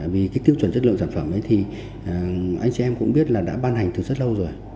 vì cái tiêu chuẩn chất lượng sản phẩm ấy thì anh chị em cũng biết là đã ban hành từ rất lâu rồi